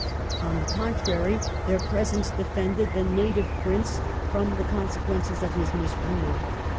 On the contrary, their pres ence defended the " native " Prince from the consequences of his misrule.